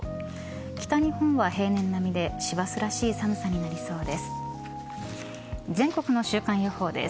北日本は平年並みで師走らしい寒さとなりそうです。